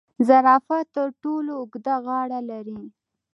زرافه تر ټولو اوږده غاړه لري